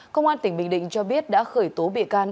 công an tỉnh bình định cho biết đã khởi tố bị can